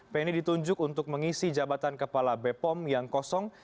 penny ditunjuk untuk mengisi jabatan kepala bepom yang kosong